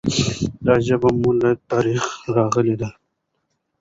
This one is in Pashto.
دا ژبه مو له تاریخه راغلي ده.